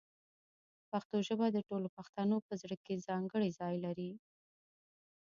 پښتو ژبه د ټولو پښتنو په زړه کې ځانګړی ځای لري.